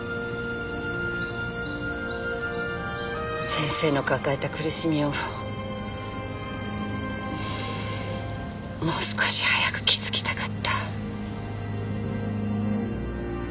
先生の抱えた苦しみをもう少し早く気付きたかった。